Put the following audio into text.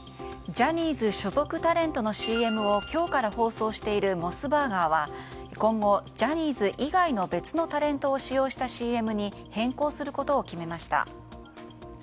ジャニーズ所属タレントのＣＭを今日から放送しているモスバーガーは今後、ジャニーズ以外の別のタレントを使用したＣＭに変更することを決めました。